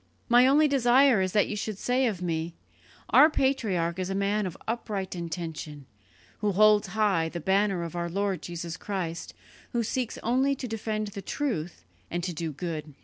My only desire is that you should say of me, 'Our patriarch is a man of upright intention, who holds high the banner of our Lord Jesus Christ, who seeks only to defend the truth and to do good.'